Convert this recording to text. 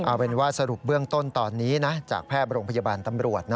เอาเป็นว่าสรุปเบื้องต้นตอนนี้จากแพทย์โรงพยาบาลตำรวจ